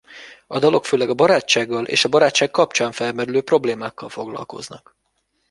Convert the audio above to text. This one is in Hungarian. A dalok főleg a barátsággal és a barátság kapcsán felmerülő problémákkal foglalkoznak.